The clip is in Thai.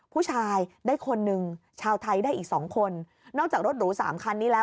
ผู้ชายได้คนหนึ่งชาวไทยได้อีกสองคนนอกจากรถหรูสามคันนี้แล้ว